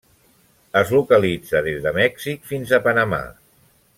Es localitza des de Mèxic fins a Panamà.